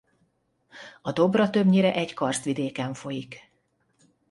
A Dobra többnyire egy karsztvidéken folyik.